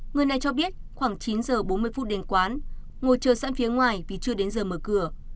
người này cho biết khoảng chín giờ bốn mươi phút đến quán ngồi chờ sẵn phía ngoài vì chưa đến giờ mở cửa